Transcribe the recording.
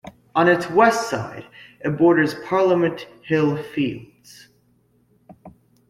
On its west side, it borders Parliament Hill Fields.